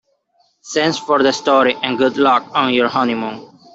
Thanks for the story and good luck on your honeymoon.